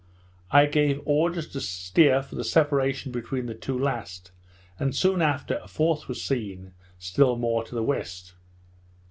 I gave orders to steer for the separation between the two last; and soon after, a fourth was seen, still more to the west.